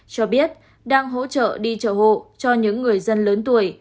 cho biết đang hỗ trợ đi chợ hộ cho những người dân lớn tuổi